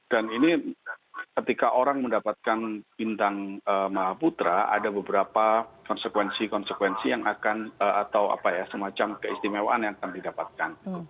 dan ini ketika orang mendapatkan bintang maha putra ada beberapa konsekuensi konsekuensi yang akan atau apa ya semacam keistimewaan yang akan didapatkan